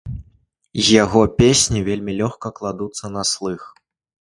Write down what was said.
Яго песні вельмі лёгка кладуцца на слых.